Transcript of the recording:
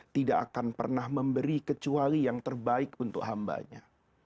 tidak akan pernah memberi kecuali yang terbaik untuk hambanya